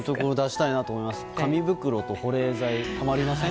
紙袋と保冷剤たまります。